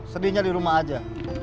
sedihnya di rumah aja